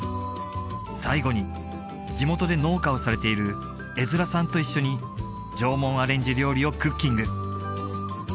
最後に地元で農家をされている江面さんと一緒に縄文アレンジ料理をクッキング